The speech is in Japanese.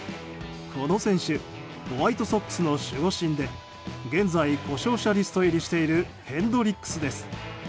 この選手、ホワイトソックスの守護神で現在、故障者リスト入りしているヘンドリックスです。